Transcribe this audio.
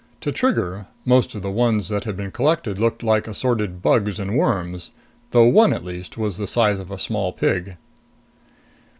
To Trigger, most of the ones that had been collected looked like assorted bugs and worms, though one at least was the size of a small pig.